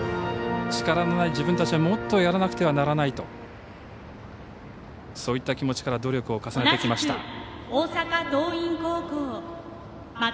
力のない自分たちはもっとやらなくてはならないとそういった気持ちから努力を重ねてきました。